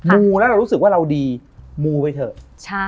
มูแล้วเรารู้สึกว่าเราดีมูไปเถอะ